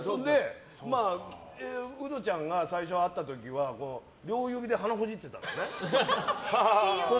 ウドちゃんが最初会った時は両指で鼻ほじってたのね。